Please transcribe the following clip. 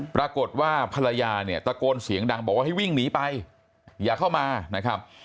ปรากฏว่าภรรยาเนี่ยตะโกนเสียงดังบอกว่าให้วิ่งหนีไปอย่าเข้ามานะครับ